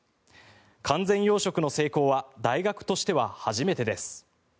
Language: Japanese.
完全養殖の成功は大学としては初めてです。